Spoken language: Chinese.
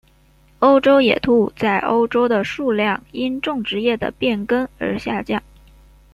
欧洲野兔在欧洲的数量因种植业的变更而下降。